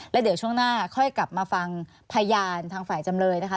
แล้วเดี๋ยวช่วงหน้าค่อยกลับมาฟังพยานทางฝ่ายจำเลยนะคะ